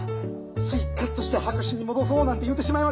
ついカッとして白紙に戻そうなんて言うてしまいました。